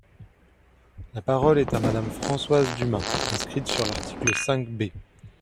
La parole est à Madame Françoise Dumas, inscrite sur l’article cinq B.